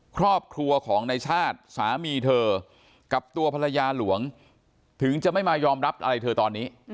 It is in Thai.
ครอบครัวของในชาติสามีเธอกับตัวภรรยาหลวงถึงจะไม่มายอมรับอะไรเธอตอนนี้